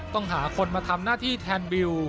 ต้องหาคนมาทำหน้าที่แทนบิว